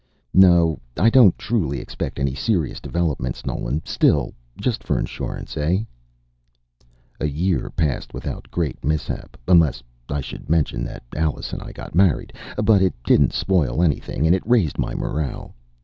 No, I don't truly expect any serious developments, Nolan. Still just for insurance eh?" A year passed without great mishap unless I should mention that Alice and I got married. But it didn't spoil anything, and it raised my morale.